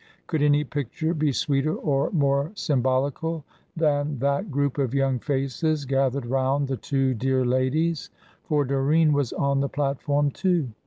Could any picture be sweeter or more symbolical than that group of young faces gathered round the two dear ladies; for Doreen was on the platform, too.